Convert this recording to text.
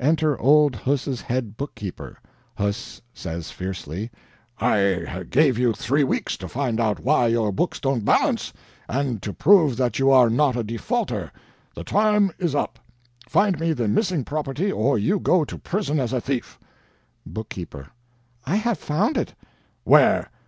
Enter old Huss's head bookkeeper. Huss says fiercely, "I gave you three weeks to find out why your books don't balance, and to prove that you are not a defaulter; the time is up find me the missing property or you go to prison as a thief." Bookkeeper: "I have found it." "Where?"